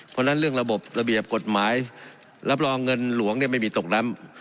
เพราะฉะนั้นเรื่องระบบระเบียบกฎหมายรับรองเงินหลวงเนี่ยไม่มีตกล้ำ